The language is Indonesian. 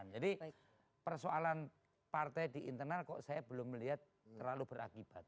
jadi persoalan partai di internal kok saya belum melihat terlalu berakibat